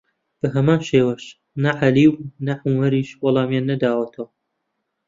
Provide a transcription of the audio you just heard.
بەهەمان شێوەش نە عەلی و نە عومەریش وەڵامیان نەداوەتەوە